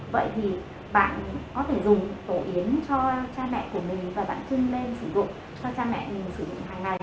vậy thì bạn có thể dùng phổ yến cho cha mẹ của mình và bạn chuyên lên sử dụng cho cha mẹ mình sử dụng hàng ngày